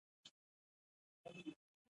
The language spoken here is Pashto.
لیکوالان د ژبې بنسټونه قوي کوي.